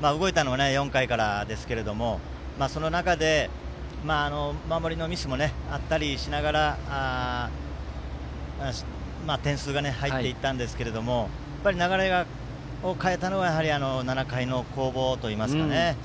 動いたのは４回からですがその中で守りのミスもあったりしながら点数が入っていったんですけども流れを変えたのはやはり７回の攻防ですね。